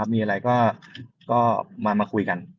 มีอะไรก็มาคุยกัน